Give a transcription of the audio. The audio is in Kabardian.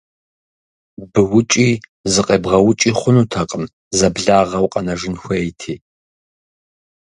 Быукӏи зыкъебгъэукӏи хъунутэкъым, зэблагъэу къэнэжын хуейти.